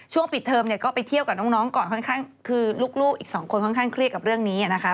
ปิดเทอมเนี่ยก็ไปเที่ยวกับน้องก่อนค่อนข้างคือลูกอีกสองคนค่อนข้างเครียดกับเรื่องนี้นะคะ